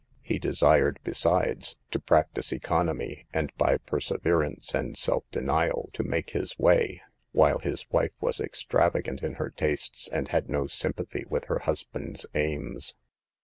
He desired, besides, to practice econ omy, and by perseverance and self denial to make his way, while his wife was extravagant in her tastes and had no sympathy with her husband's aims.